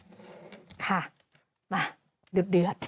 อืมมค่ะมาจุดเดือด